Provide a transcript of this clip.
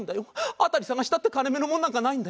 辺り探したって金目のものなんかないんだよ。